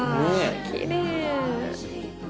きれい。